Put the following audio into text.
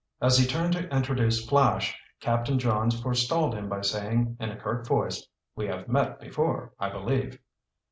As he turned to introduce Flash, Captain Johns forestalled him by saying in a curt voice: "We have met before, I believe!"